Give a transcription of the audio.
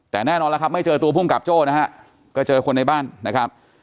แต่แน่นอนแล้วครับไม่เจอตัวภูมิกับโจ้นะฮะก็เจอคนในบ้านนะครับ